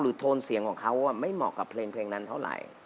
โทนเสียงของเขาไม่เหมาะกับเพลงนั้นเท่าไหร่